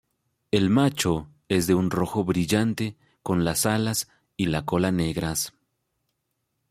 El macho es de un rojo brillante con las alas y la cola negras.